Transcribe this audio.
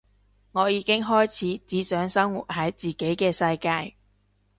我已經開始只想生活喺自己嘅世界